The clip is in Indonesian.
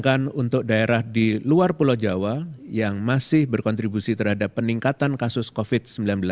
dan untuk daerah di luar pulau jawa yang masih berkontribusi terhadap peningkatan kasus covid sembilan belas